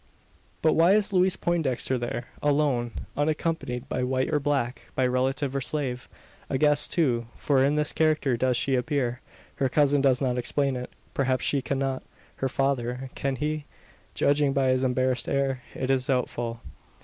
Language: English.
But why is Louise Poindexter there alone unaccompanied by white or black, by relative or slave? A guest, too: for in this character does she appear! Her cousin does not explain it perhaps he cannot. Her father can he? Judging by his embarrassed air, it is doubtful.